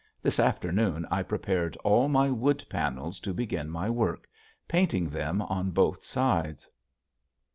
This afternoon I prepared all my wood panels to begin my work, painting them on both sides.